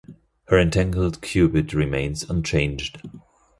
Her entangled qubit remains unchanged.